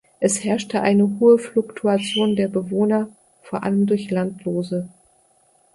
Es herrschte eine hohe Fluktuation der Bewohner vor allem durch Landlose.